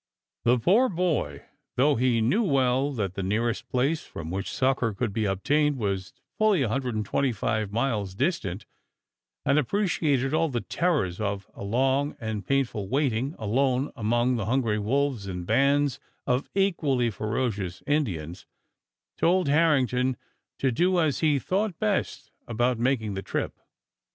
The poor boy, though he well knew that the nearest place from which succor could be obtained was fully 125 miles distant, and appreciated all the terrors of a long and painful waiting alone among the hungry wolves and bands of equally ferocious Indians, told Harrington to do as he thought best about making the trip.